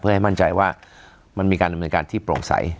เพื่อให้มั่นใจว่ามันมีการดำเนินการที่โปร่งใส